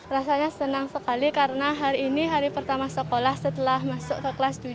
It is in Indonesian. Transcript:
rasanya senang sekali karena hari ini hari pertama sekolah setelah masuk ke kelas tujuh